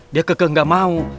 dia keke nggak mau